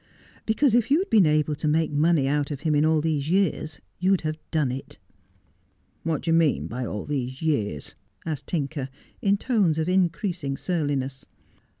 ' Because if you'd been able to make money out of him in all these years, you'd have done it.' ' What do you mean by all these years ?' asked Tinker, in tones of increasing surliness.